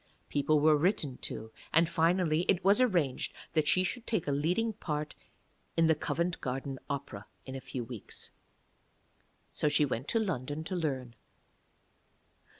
People were written to, and finally it was arranged that she should take a leading part in the Covent Garden Opera in a few weeks. So she went to London to learn.